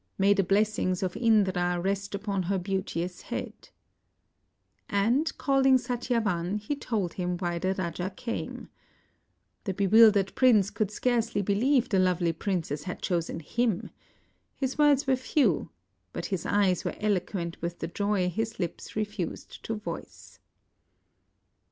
May the blessings of Indra rest upon her beau teous head 1 " And calling Satyavan he told him why the raja came. The bewildered prince could scarcely believe the lovely princess had chosen him. His words were i6 SAVITRI'S CHOICE few; but his eyes were eloquent with the joy his lips refused to voice.